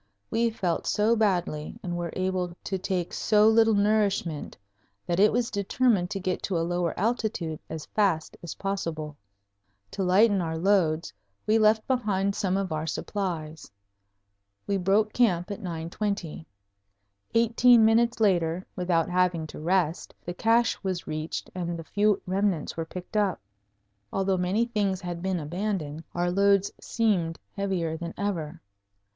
We felt so badly and were able to take so little nourishment that it was determined to get to a lower altitude as fast as possible. To lighten our loads we left behind some of our supplies. We broke camp at 9:20. Eighteen minutes later, without having to rest, the cache was reached and the few remnants were picked up. Although many things had been abandoned, our loads seemed heavier than ever.